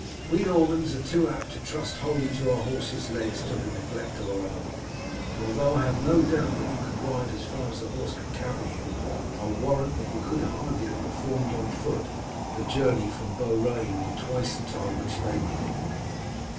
We Normans are too apt to trust wholly to our horses' legs to the neglect of our own, and although I have no doubt that you could ride as far as a horse could carry you, I warrant that you could hardly have performed on foot the journey from Beaurain in twice the time in which they did it.